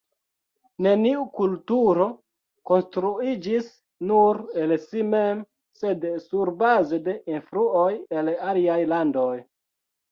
Neniu kulturo konstruiĝis nur el si mem, sed surbaze de influoj el aliaj landoj.